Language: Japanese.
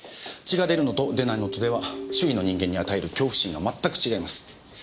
血が出るのと出ないのとでは周囲の人間に与える恐怖心がまったく違います。